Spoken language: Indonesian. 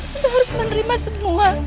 tante harus menerima semua